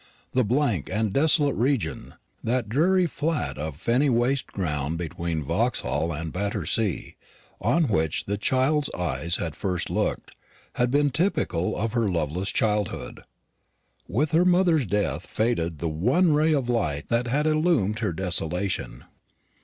That blank and desolate region, that dreary flat of fenny waste ground between Vauxhall and Battersea, on which the child's eyes had first looked, had been typical of her loveless childhood. With her mother's death faded the one ray of light that had illumined her desolation.